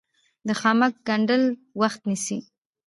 د خامک ګنډل وخت نیسي